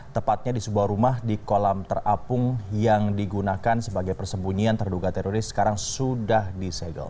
tepatnya di sebuah rumah di kolam terapung yang digunakan sebagai persembunyian terduga teroris sekarang sudah disegel